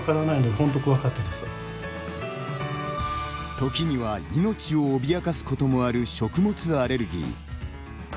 時には、命を脅かすこともある食物アレルギー。